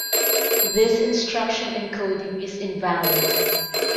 This instruction encoding is invalid.